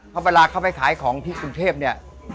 เพราะเวลาเขาไปขายของที่กรุงเทพเนี่ย